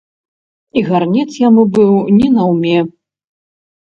І гарнец яму быў не наўме.